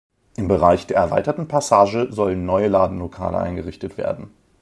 Im Bereich der erweiterten Passage sollen neue Ladenlokale eingerichtet werden.